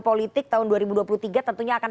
politik tahun dua ribu dua puluh tiga tentunya akan